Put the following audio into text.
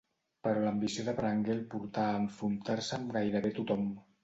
Però l'ambició de Berenguer el va portar a enfrontar-se amb gairebé tothom.